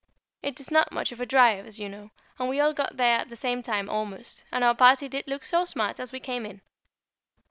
It is not much of a drive, as you know, and we all got there at the same time almost, and our party did look so smart as we came in.